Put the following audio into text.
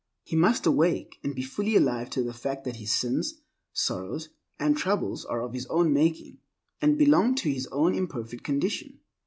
He must awake, and be fully alive to the fact that his sins, sorrows, and troubles are of his own making, and belong to his own imperfect condition.